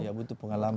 iya butuh pengalaman